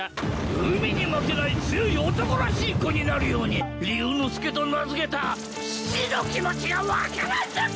海に負けない強い男らしい子になるように竜之介と名付けた父の気持ちが分からんのかぁ！